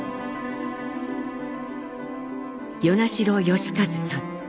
与那城美一さん。